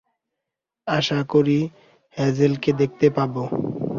আশা করি হ্যাজেলকে দেখতে পাব।